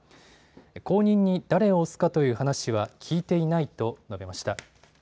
後任に誰を推すかという話は聞いていないと述べました。